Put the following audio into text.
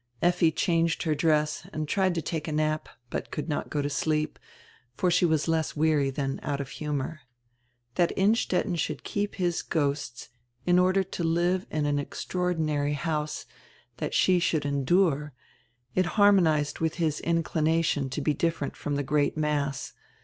Effi changed her dress and tried to take a nap, but could not go to sleep, for she was less weary than out of humor. That Innstetten should keep his ghosts, in order to live in an extraordinary house, that she could endure; it harmonized with his inclination to be different from die great mass.